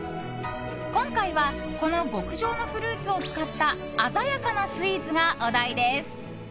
今回はこの極上のフルーツを使った鮮やかなスイーツがお題です。